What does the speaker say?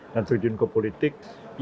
dan terjun ke politik